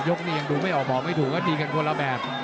นี้ยังดูไม่ออกบอกไม่ถูกก็ตีกันคนละแบบ